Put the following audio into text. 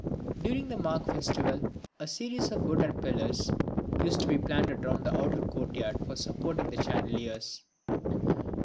During the Magh festival a series of wooden pillars used to be planted round the outer courtyard for supporting the chandeliers.